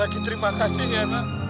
sekali lagi terima kasih nenek